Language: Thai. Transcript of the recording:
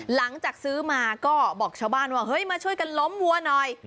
หลังจากซื้อมาก็บอกชาวบ้านว่าเฮ้ยมาช่วยกันล้มวัวหน่อย